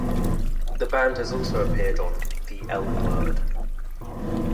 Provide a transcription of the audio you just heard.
The band has also appeared on "The L Word".